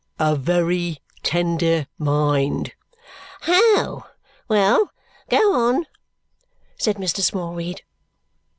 "A very tender mind." "Ho! Well, go on," said Mr. Smallweed.